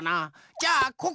じゃあここ！